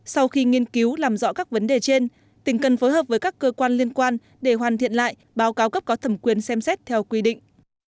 sau khi nghiên cứu làm rõ các vấn đề trên tỉnh cần phối hợp với các cơ quan liên quan để hoàn thiện lại báo cáo cấp có thẩm quyền xem xét theo quy định